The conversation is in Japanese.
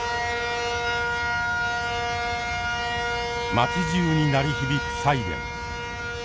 町じゅうに鳴り響くサイレン。